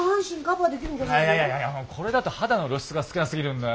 いやいやこれだと肌の露出が少なすぎるんだよ。